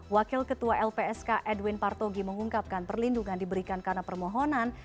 wakil ketua lpsk edwin partogi mengungkapkan perlindungan diberikan karena permohonan